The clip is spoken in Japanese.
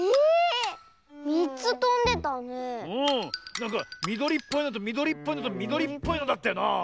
なんかみどりっぽいのとみどりっぽいのとみどりっぽいのだったよなあ。